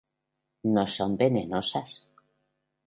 No son venenosas.